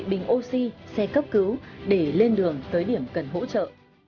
bình oxy xe cấp cứu để lên đường tới điểm cần hỗ trợ